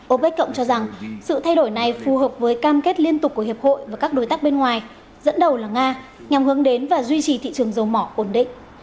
opec cộng cho rằng sự thay đổi này phù hợp với cam kết liên tục của hiệp hội và các đối tác bên ngoài dẫn đầu là nga nhằm hướng đến và duy trì thị trường dầu mỏ ổn định